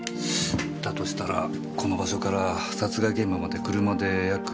だとしたらこの場所から殺害現場まで車で約２０分。